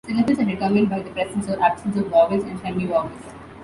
Syllables are determined by the presence or absence of vowels and semi-vowels.